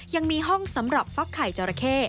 ยังมีห้องสำหรับฟักไข่จราเข้